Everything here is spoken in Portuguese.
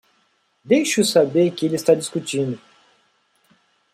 Deixe-o saber que ele está discutindo